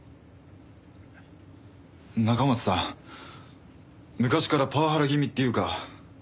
中松さん昔からパワハラ気味っていうか。